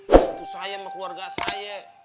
waktu saya sama keluarga saya